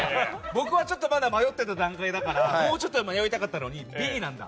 僕はちょっとまだ迷ってる段階だからもうちょっと迷いたかったのにＢなんだ。